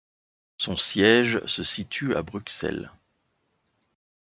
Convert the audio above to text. Son siège se situe à Bruxelles.